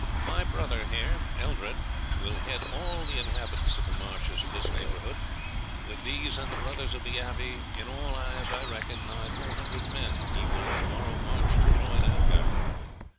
My brother here, Eldred, will head all the inhabitants of the marshes of this neighbourhood. With these and the brothers of the abbey, in all, as I reckon, nigh four hundred men, he will to morrow march to join Algar."